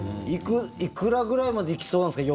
いくらぐらいまで行きそうなんですか？